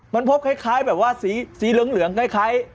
มันพบคล้ายแบบว่าสีเหลืองคล้าย